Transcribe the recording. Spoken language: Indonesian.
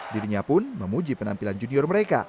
dirinya pun memuji penampilan junior mereka